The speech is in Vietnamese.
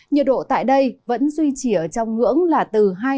nhiệt độ tại đây vẫn duy trì ở trong ngưỡng là từ hai mươi hai đến ba mươi ba độ